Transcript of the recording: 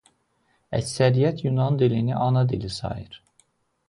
Əksəriyyət yunan dilini ana dili sayır.